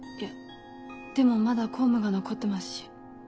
でもまだ公務が残ってますし。